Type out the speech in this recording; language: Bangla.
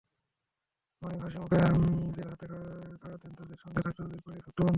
মনিব হাসিমুখে নিজের হাতে খাওয়াতেন তাদের, সঙ্গে থাকত তাদের প্রাণের ছোট্ট বন্ধুটি।